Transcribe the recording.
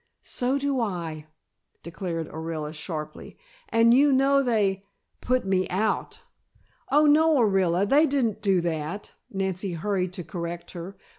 "So do I," declared Orilla sharply, "and you know they put me out!" "Oh, no, Orilla, they didn't do that," Nancy hurried to correct her.